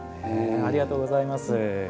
ありがとうございます。